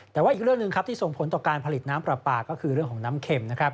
แต่ว่าอีกเรื่องหนึ่งครับที่ส่งผลต่อการผลิตน้ำปลาปลาก็คือเรื่องของน้ำเข็มนะครับ